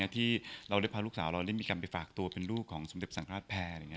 ที่เราได้พาลูกสาวเราได้มีการไปฝากตัวเป็นลูกของสมเด็จสังฆาตแพร่